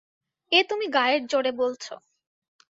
এ তুমি গায়ের জোরে বলছ।